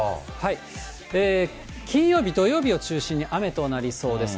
金曜日、土曜日を中心に雨となりそうです。